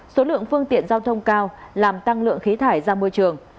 số lượng phương tiện giao thông cao làm tăng lượng khí thải ra môi trường